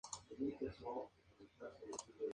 Fue lanzado como cómic digital.